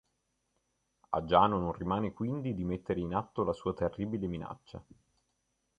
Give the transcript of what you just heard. A Giano non rimane quindi di mettere in atto la sua terribile minaccia.